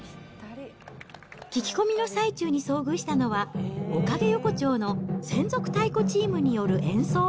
聞き込みの最中に遭遇したのは、おかげ横丁の専属太鼓チームによる演奏。